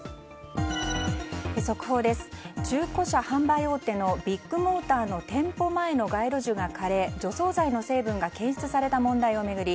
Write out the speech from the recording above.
速報です、中古車販売大手のビッグモーターの店舗前の街路樹が枯れ除草剤の成分が検出された問題を巡り